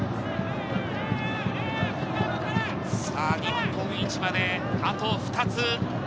日本一まで、あと２つ。